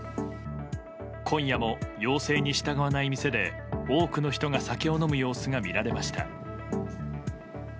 今夜も要請に従わない店で多くの人が酒を飲む様子が見られました。